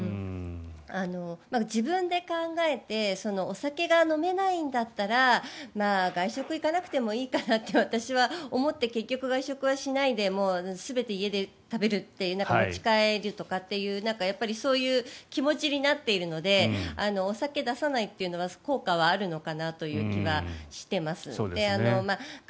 自分で考えてお酒が飲めないんだったら外食に行かなくてもいいかなって私は思って結局、外食はしないで全て家で食べるとか持ち帰るとかそういう気持ちになっているのでお酒を出さないというのは効果はあるのかなという気はしています。